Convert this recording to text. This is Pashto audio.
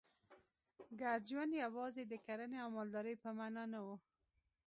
ګډ ژوند یوازې د کرنې او مالدارۍ په معنا نه و